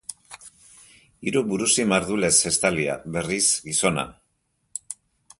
Hiru burusi mardulez estalia, berriz, gizona.